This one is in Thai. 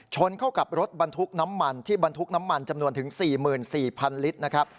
ชนเข้ากับรถบรรทุกน้ำมันที่บรรทุกน้ำมันจำนวนถึง๔๔๐๐ลิตรนะครับ